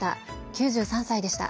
９３歳でした。